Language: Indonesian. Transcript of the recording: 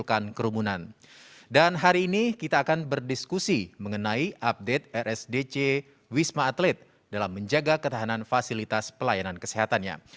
hari ini kita akan berdiskusi mengenai update rsdc wisma atlet dalam menjaga ketahanan fasilitas pelayanan kesehatannya